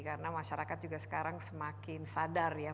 karena masyarakat juga sekarang semakin sadar ya